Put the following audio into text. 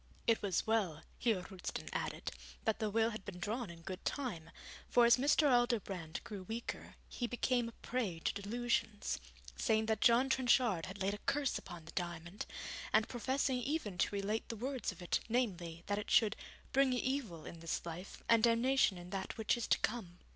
It was well, Heer Roosten added, that the will had been drawn in good time, for as Mr. Aldobrand grew weaker, he became a prey to delusions, saying that John Trenchard had laid a curse upon the diamond, and professing even to relate the words of it, namely, that it should 'bring evil in this life, and damnation in that which is to come.'